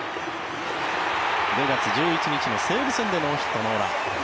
５月１１日の西武戦でノーヒット・ノーラン。